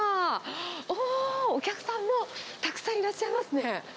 おー、お客さんもたくさんいらっしゃいますね。